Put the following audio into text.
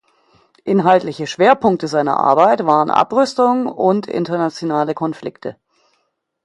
Inhaltliche Schwerpunkte seiner Arbeit waren Abrüstung und internationale Konflikte.